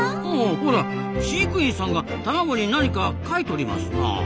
ほら飼育員さんが卵に何か書いとりますなあ。